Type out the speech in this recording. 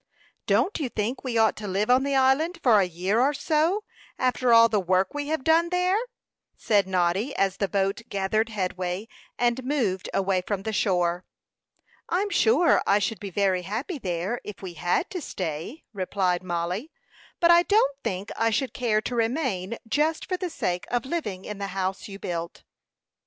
"Don't you think we ought to live on the island for a year or so, after all the work we have done there?" said Noddy, as the boat gathered headway, and moved away from the shore. "I'm sure I should be very happy there, if we had to stay," replied Mollie, "But I don't think I should care to remain just for the sake of living in the house you built."